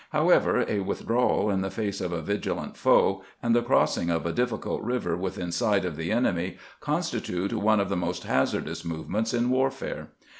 However, a withdrawal in the face of a vigUant foe, and the crossing of a difficult river within sight of the enemy, constitute one of the most hazardous movements in warfare.